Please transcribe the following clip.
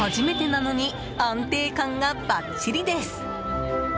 初めてなのに安定感がバッチリです。